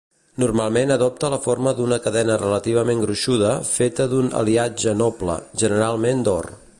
Normalment adopta la forma d’una cadena relativament gruixuda feta d’un aliatge noble, generalment d’or.